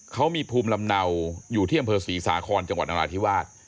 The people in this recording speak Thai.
เขามีภูมิลำเนาอยู่ที่อำเภอศรีสาครจังหวัดนราธิวาส